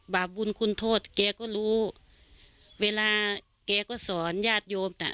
บาปบุญคุณโทษแกก็รู้เวลาแกก็สอนญาติโยมน่ะ